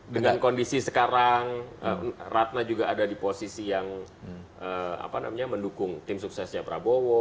dengan kondisi sekarang ratna juga ada di posisi yang mendukung tim suksesnya prabowo